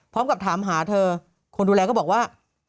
พร้อมกับถามหาเธอคนดูแลก็บอกว่า